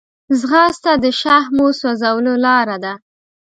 ځغاسته د شحمو سوځولو لاره ده